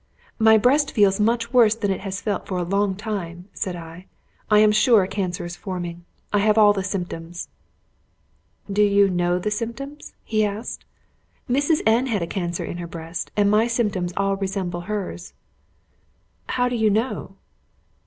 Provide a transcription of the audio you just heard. "My breast feels much worse than it has felt for a long time," said I. "I am sure a cancer is forming. I have all the symptoms." "Do you know the symptoms?" he asked. "Mrs. N had a cancer in her breast, and my symptoms all resemble hers." "How do you know?"